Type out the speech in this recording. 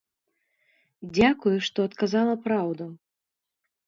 Дзякуй, што адказала праўду.